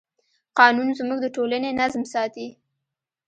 قانون زموږ د ټولنې نظم ساتي.